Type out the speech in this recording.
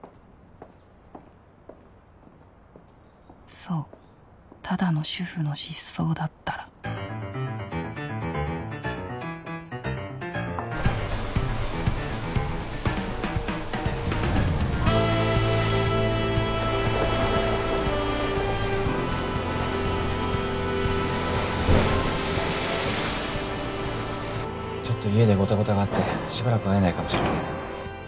そうただの主婦の失踪だったらちょっと家でゴタゴタがあってしばらく会えないかもしれない。